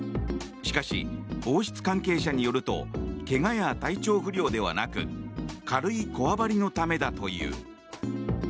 しかし、王室関係者によるとけがや体調不良ではなく軽いこわばりのためだという。